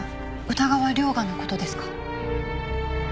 歌川涼牙の事ですか？